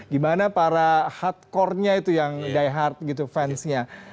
gimana para hardcore nya itu yang die hard gitu fansnya